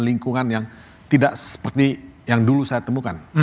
lingkungan yang tidak seperti yang dulu saya temukan